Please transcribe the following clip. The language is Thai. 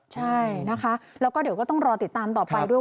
ใช่นะคะแล้วก็เดี๋ยวก็ต้องรอติดตามต่อไปด้วย